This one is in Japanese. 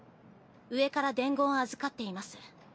上から伝言を預かっています。